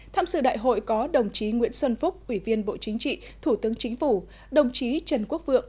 tham sự đại hội có đồng chí nguyễn xuân phúc ủy viên bộ chính trị thủ tướng chính phủ đồng chí trần quốc vượng